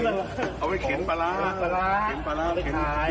เอาไว้เข็นปลาร้า